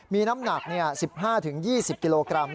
มีน้ำหนัก๑๕๒๐กิโลกรัม